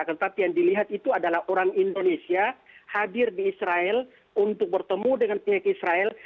tetapi yang dilihat itu adalah orang indonesia hadir di israel untuk bertemu dengan pihak israel